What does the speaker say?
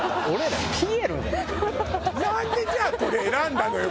なんでじゃあこれ選んだのよ？